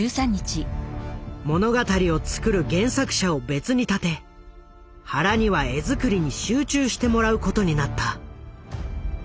物語を作る原作者を別に立て原には絵作りに集中してもらうことになった。